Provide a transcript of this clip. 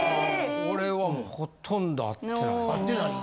・俺はもうほとんど会ってない。